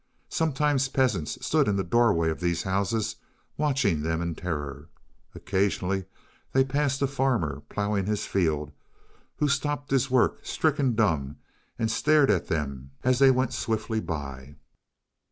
Sometimes peasants stood in the doorways of these houses watching them in terror. Occasionally they passed a farmer ploughing his field, who stopped his work, stricken dumb, and stared at them as they went swiftly by.